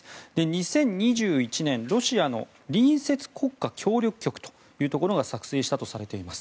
２０２１年、ロシアの隣接国家協力局というところが作成したとされています。